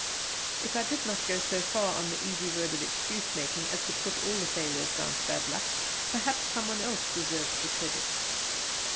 If I did not go so far on the easy road of excuse making as to put all the failures down to bad luck, perhaps some one else deserves the credit.